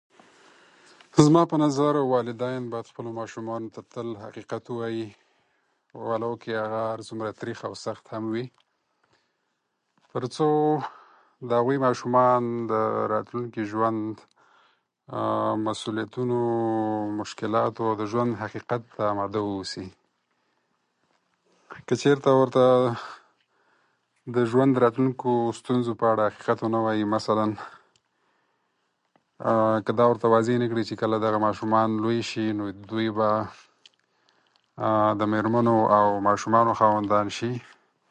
زما په نظر والدین باید خپلو ماشومانو ته تل حقیقت ووايي ،ولو که هغه هرڅومره تريخ او سخت هم وي ترڅو د هغوی ماشومان د راتلونکي ژوند د مسؤلیتونو مشکلاتو او د ژوند حقیقت ته آماده و اوسي، که چیرته ورته د ژوند راتلونکو په اړه حقیقت ونه وايي مثلأ که دا ورته واضح نه کړي چې کله دغه ماشومان لوی شي نو دوی به د مېرمنو او ماشومانو خاوندان شي